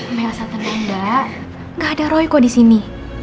mbak elsa tenang mbak nggak ada roy kok di sini